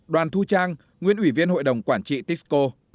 năm đoàn thu trang nguyễn ủy viên hội đồng quản trị tisco